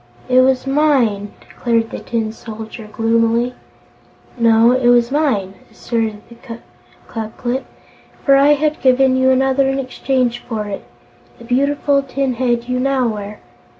"It was mine!" declared the Tin Soldier, gloomily. "No, it was mine," asserted Ku Klip, "for I had given you another in exchange for it the beautiful tin head you now wear.